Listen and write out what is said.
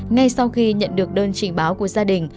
ngay sau khi nhận được đơn trình báo của gia đình